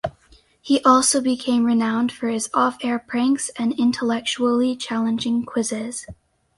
He also became renowned for his off-air pranks and intellectually challenging quizzes.